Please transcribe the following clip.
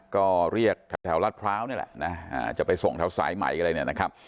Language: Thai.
ก็เรียกแถวรัฐพร้าวนี่แหละนะจะไปส่งแถวสายใหม่อะไรเนี่ยนะครับ